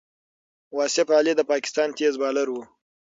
واصف علي د پاکستان تېز بالر وو.